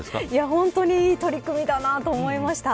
本当に、いい取り組みだなと思いました。